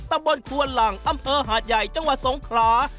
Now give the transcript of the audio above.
ตำบลควนหลังอำเภอหาดใหญ่จังหวัดสงขลา